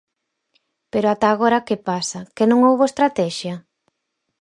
Pero ata agora que pasa, ¿que non houbo estratexia?